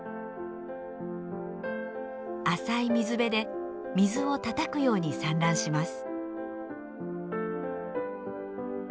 浅い水辺で水をたたくように産卵します。